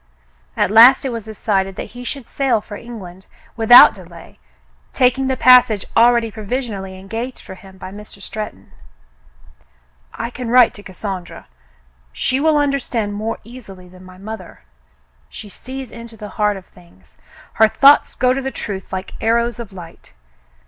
At last it was decided that he should sail for England without delay, taking the passage already provisionally engaged for him by Mr. Stretton. "I can write to Cassandra. She will understand more easily than my mother. She sees into the heart of things. Her thoughts go to the truth like arrows of light.